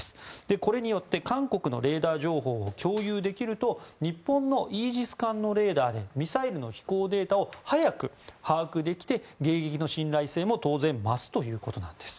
これによって韓国のレーダー情報を共有できると日本のイージス艦のレーダーでミサイルの飛行データを早く把握できて迎撃の信頼性も当然増すということなんです。